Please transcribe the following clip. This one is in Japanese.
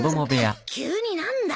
急に何だ？